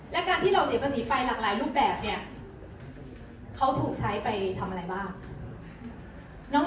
และการที่เราเสียภาษีไปหลากหลายรูปแบบเนี่ยเขาถูกใช้ไปทำอะไรบ้าง